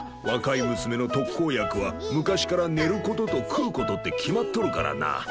若い娘の特効薬は昔から寝る事と食う事って決まっとるからな。